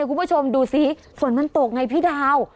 คุณผู้ชมดูสิฝนมันตกไงพี่ดาว